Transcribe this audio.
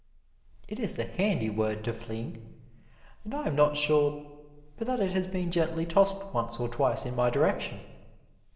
It is a handy word to fling, and I am not sure but that it has been gently tossed once or twice in my direction.